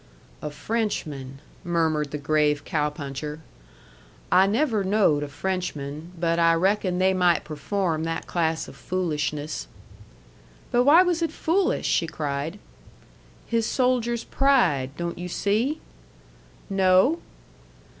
"A Frenchman," murmured the grave cow puncher. "I never knowed a Frenchman, but I reckon they might perform that class of foolishness." "But why was it foolish?" she cried. "His soldier's pride don't you see?" "No."